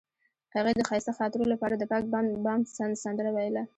هغې د ښایسته خاطرو لپاره د پاک بام سندره ویله.